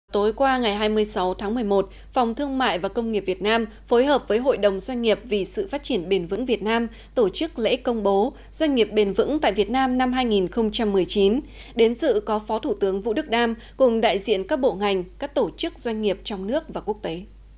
tối qua ngày hai mươi sáu tháng một mươi một phòng thương mại và công nghiệp việt nam phối hợp với hội đồng doanh nghiệp vì sự phát triển bền vững việt nam tổ chức lễ công bố doanh nghiệp bền vững tại việt nam năm hai nghìn một mươi chín đến sự có phó thủ tướng vũ đức đam cùng đại diện các bộ ngành các tổ chức doanh nghiệp trong nước và quốc tế